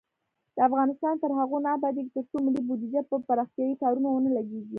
افغانستان تر هغو نه ابادیږي، ترڅو ملي بودیجه پر پراختیايي کارونو ونه لګیږي.